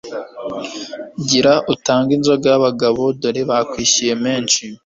gira utange inzoga y'abagabo dore bakwishyuye menshi